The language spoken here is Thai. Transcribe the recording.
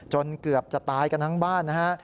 เกือบจะตายกันทั้งบ้านนะฮะ